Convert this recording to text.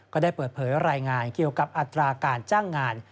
ก็ได้เปิดเผยรายงานเกี่ยวกับอัตราการจ้างงาน